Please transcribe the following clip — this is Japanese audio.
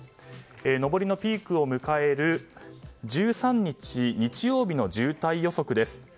上りのピークを迎える１３日、日曜日の渋滞予測です。